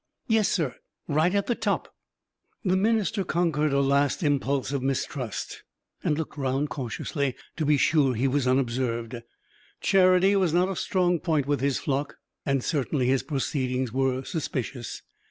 "Yes, sir right at the top." The minister conquered a last impulse of mistrust, and looked round cautiously to be sure he was unobserved. Charity was not a strong point with his flock, and certainly his proceedings were suspicious.